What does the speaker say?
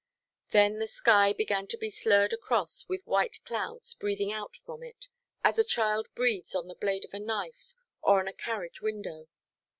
Then the sky began to be slurred across with white clouds breathing out from it, as a child breathes on the blade of a knife, or on a carriage window.